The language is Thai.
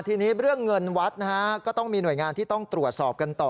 ทีนี้เรื่องเงินวัดนะฮะก็ต้องมีหน่วยงานที่ต้องตรวจสอบกันต่อ